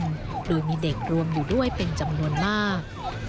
โดยมีเด็กรวมอยู่ด้วยเป็นจำนวนมาก